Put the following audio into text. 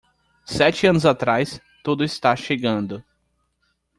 Sete anos atrás, tudo está chegando.